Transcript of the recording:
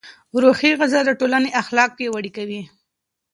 روحي غذا د ټولنې اخلاق پیاوړي کوي.